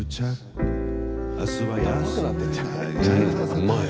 うまい！